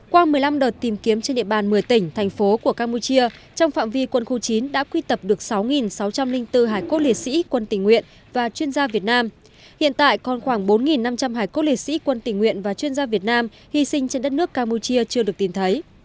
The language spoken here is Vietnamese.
qua một mươi năm đợt tìm kiếm trên địa bàn một mươi tỉnh thành phố của campuchia trong phạm vi quân khu chín đã quy tập được sáu sáu trăm linh bốn hải cốt liệt sĩ quân tình nguyện và chuyên gia việt nam hiện tại còn khoảng bốn năm trăm linh hải cốt liệt sĩ quân tình nguyện và chuyên gia việt nam hy sinh trên đất nước campuchia chưa được tìm thấy